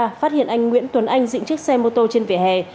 phát hiện anh nguyễn tuấn anh dựng chiếc xe mô tô trên vỉa hè